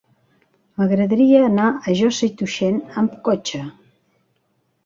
M'agradaria anar a Josa i Tuixén amb cotxe.